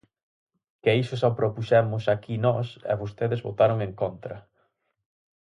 Que iso xa o propuxemos aquí nós, e vostedes votaron en contra.